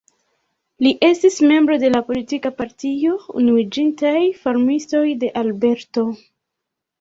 Li estis membro de la politika partio Unuiĝintaj Farmistoj de Alberto.